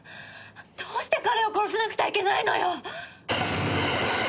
どうして彼を殺さなくちゃいけないのよ！